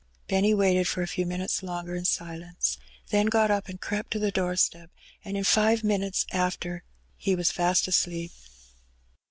Benny waited for a few minutes longer in silence, then got up and crept to the doorstep, and in five minutes after he was fast asleep.